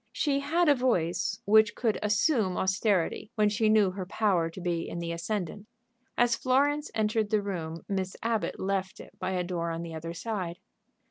She had a voice which could assume austerity when she knew her power to be in the ascendant. As Florence entered the room Miss Abbott left it by a door on the other side.